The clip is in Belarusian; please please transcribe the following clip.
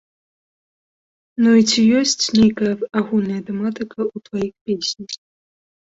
Ну і ці ёсць нейкая агульная тэматыка ў тваіх песень?